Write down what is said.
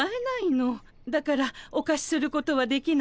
だからおかしすることはできないわ。